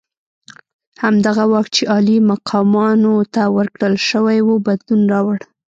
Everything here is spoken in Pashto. همدغه واک چې عالي مقامانو ته ورکړل شوی وو بدلون راوړ.